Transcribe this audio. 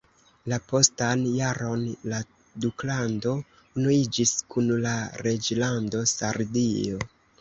La postan jaron la duklando unuiĝis kun la reĝlando Sardio.